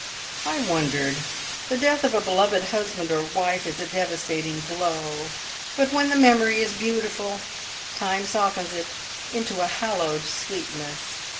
I wondered! The death of a beloved husband or wife is a devastating blow; but when the memory is beautiful, time softens it into a hallowed sweetness.